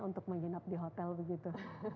untuk menginap di hotel begitu